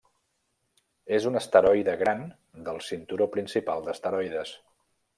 És un asteroide gran del cinturó principal d'asteroides.